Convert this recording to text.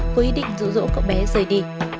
với ý định rủ rỗ con bé rời đi